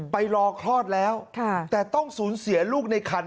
ไปรอคลอดแล้วแต่ต้องสูญเสียลูกในคัน